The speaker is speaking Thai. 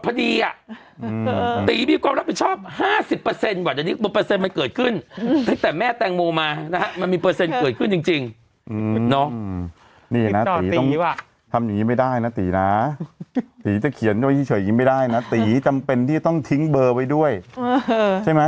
พี่หนุ่มผมปวดต้องมากไม่ไหวแล้วพี่หนุ่มพี่ก็บอกว่า